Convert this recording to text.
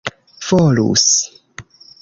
volus